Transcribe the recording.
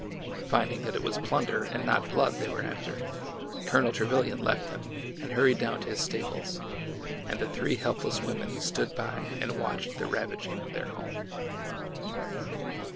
Finding that it was plunder and not blood they were after, Colonel Trevilian left them and hurried down to his stables, and the three helpless women stood by and watched the ravaging of their home.